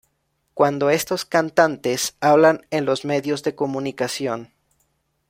cuando estos cantantes hablan en los medios de comunicación